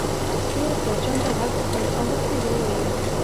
مستو اکبرجان ته غږ وکړ او ورته یې وویل.